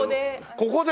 ここで？